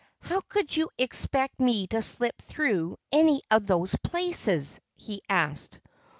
"How could you expect me to slip through any of those places?" he asked.